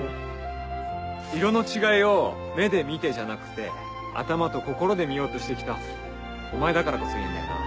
色の違いを目で見てじゃなくて頭と心で見ようとして来たお前だからこそ言えるんだよな。